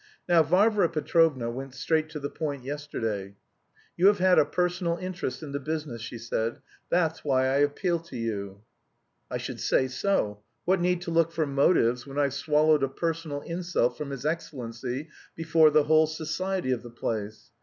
Now, Varvara Petrovna went straight to the point yesterday. 'You have had a personal interest in the business,' she said, 'that's why I appeal to you.' I should say so! What need to look for motives when I've swallowed a personal insult from his excellency before the whole society of the place.